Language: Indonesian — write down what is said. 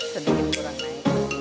sedikit kurang naik